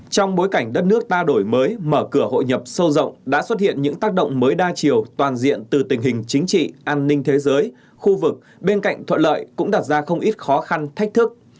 trong bối cảnh đất nước ta đổi mới mở cửa hội nhập sâu rộng đã xuất hiện những tác động mới đa chiều toàn diện từ tình hình chính trị an ninh thế giới khu vực bên cạnh thuận lợi cũng đặt ra không ít khó khăn thách thức